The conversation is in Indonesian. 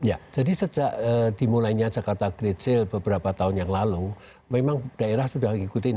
ya jadi sejak dimulainya jakarta great sale beberapa tahun yang lalu memang daerah sudah mengikuti